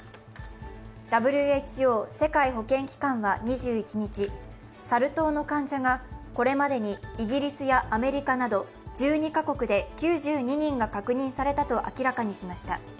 ＷＨＯ＝世界保健機関は２１日、サル痘の患者がこれまでにイギリスやアメリカなど１２カ国で９２人が確認されたと明らかにしました。